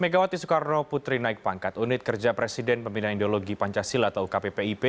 megawati soekarno putri naik pangkat unit kerja presiden pembinaan ideologi pancasila atau ukppip